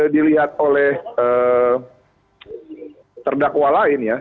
dilihat oleh terdakwa lain ya